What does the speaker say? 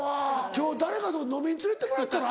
今日誰かと飲みに連れてってもらったら？